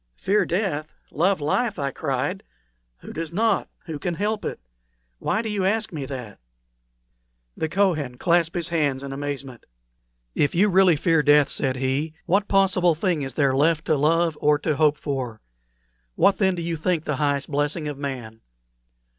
"Fear death! love life!" I cried. "Who does not? Who can help it? Why do you ask me that?" The Kohen clasped his hands in amazement. "If you really fear death," said he, "what possible thing is there left to love or to hope for? What, then, do you think the highest blessing of man?"